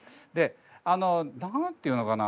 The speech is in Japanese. あの何て言うのかな。